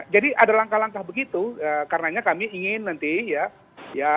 jadi ada langkah langkah begitu karena kami ingin nanti ya